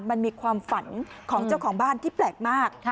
มันมีความฝันของเจ้าของบ้านที่แปลกมาก